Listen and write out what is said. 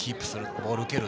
ボールを蹴る。